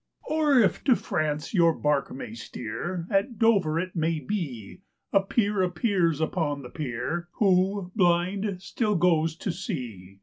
Or, if to France your bark may steer, at Dover it may be, A peer appears upon the pier, who, blind, still goes to sea.